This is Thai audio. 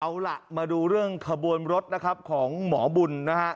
เอาละมาดูเรื่องคบวนรถของหมอบุญนะคะ